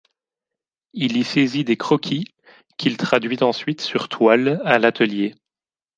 Il y saisit des croquis qu'il traduit ensuite sur toile à l'atelier.